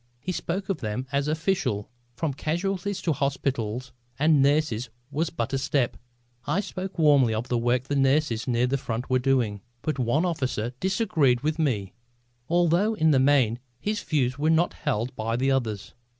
He spoke of them as official. From casualties to hospitals and nurses was but a step. I spoke warmly of the work the nurses near the front were doing. But one officer disagreed with me, although in the main his views were not held by the others.